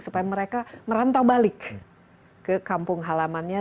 supaya mereka merantau balik ke kampung halamannya